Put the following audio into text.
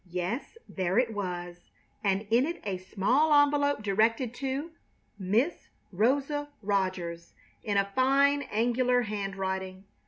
Yes, there it was, and in it a small envelope directed to "Miss Rosa Rogers" in a fine angular handwriting.